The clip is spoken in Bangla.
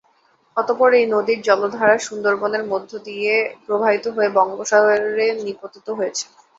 অতঃপর এই নদীর জলধারা সুন্দরবনের মধ্য দিয়ে প্রবাহিত হয়ে বঙ্গোপসাগরে নিপতিত হয়েছে।